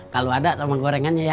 kalau ada sama gorengannya ya